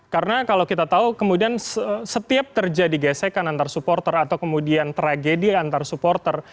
karena kalau kita tahu kemudian setiap terjadi gesekan antar supporter atau kemudian tragedi antar supporter